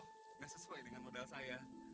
tidak sesuai dengan modal saya